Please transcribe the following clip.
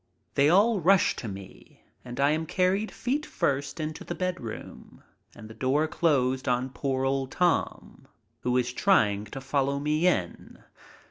They all rush to me and I am carried feet first into the bedroom, and the door closed on poor old Tom, who is try ing to follow me in.